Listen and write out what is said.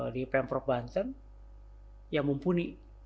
di pemprov banten ya mumpuni